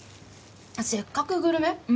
「せっかくグルメ！！」？